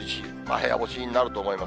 部屋干しになると思います。